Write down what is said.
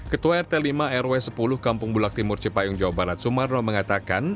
ketua rt lima rw sepuluh kampung bulak timur cipayung jawa barat sumarno mengatakan